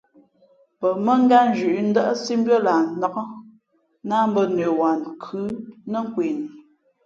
Pαmᾱngátnzhʉ̌ʼ ndάʼsí mbʉ́ά lah nnák nāh mbᾱ nəwaankhʉ̌ nά kwe nu.